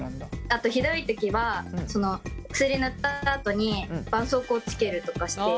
あとひどい時は薬塗ったあとにばんそうこうをつけるとかして。